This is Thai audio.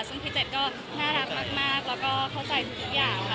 ซึ่งพี่เจ็ดก็น่ารักมากแล้วก็เข้าใจทุกอย่างค่ะ